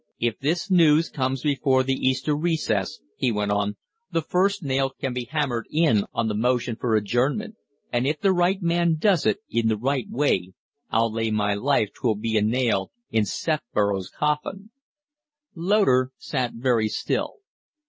"If this news comes before the Easter recess," he went on, "the first nail can be hammered in on the motion for adjournment. And if the right man does it in the right way, I'll lay my life 'twill be a nail in Sefborough's coffin." Loder sat very still.